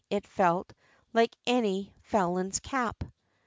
it felt Like any felon's cap.